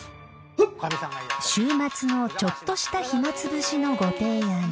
［週末のちょっとした暇つぶしのご提案］